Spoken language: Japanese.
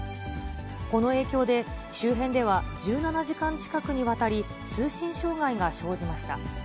この影響で、周辺では１７時間近くにわたり、通信障害が生じました。